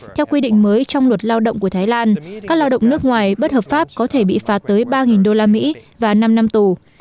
theo quy định mới trong luật lao động của thái lan các lao động nước ngoài bất hợp pháp có thể bị phạt tới ba usd và năm năm tù